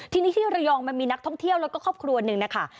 ทีนี้ที่ระยองมันมีนักท่องเที่ยวแล้วก็ครอบครัวหนึ่งนะคะ